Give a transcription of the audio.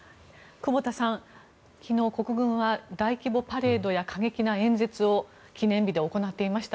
久保田さん、昨日国軍は大規模パレードや過激な演説を記念日で行っていました。